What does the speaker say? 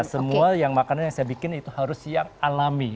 semua yang makanan yang saya bikin itu harus yang alami